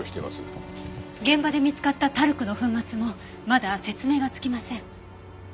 現場で見つかったタルクの粉末もまだ説明がつきません。